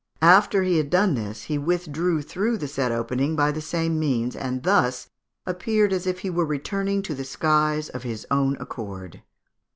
After he had done this, he withdrew through the said opening by the same means, and thus appeared as if he were returning to the skies of his own accord.